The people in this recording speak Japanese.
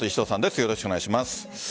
よろしくお願いします。